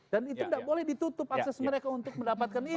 itu tidak boleh ditutup akses mereka untuk mendapatkan itu